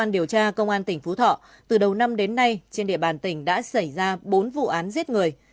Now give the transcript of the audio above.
điều tra công an tỉnh phú thọ từ đầu năm đến nay trên địa bàn tỉnh đã xảy ra bốn vụ án giết người